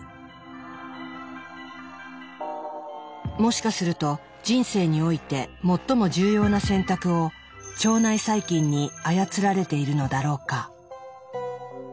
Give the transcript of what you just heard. もしかすると人生において最も重要な選択を腸内細菌に操られているのだろうか？